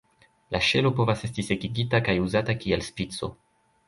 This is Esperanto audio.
La ŝelo povas esti sekigita kaj uzata kiel spico.